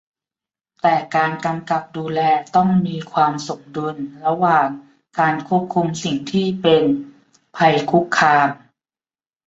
แต่การกำกับดูแลต้องมีความสมดุลระหว่างการควบคุมสิ่งที่เป็นภัยคุกคาม